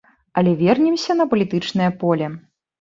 Але вернемся на палітычнае поле.